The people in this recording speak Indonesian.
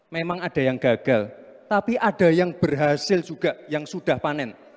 memang ada yang gagal tapi ada yang berhasil juga yang sudah panen